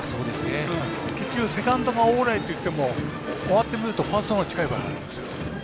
結局、セカンドがオーライって言っても終わってみたらファーストが近い場合があるんです。